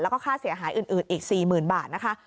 แล้วก็ค่าเสียหายอื่นอีก๔๐๐๐บาทนะคะ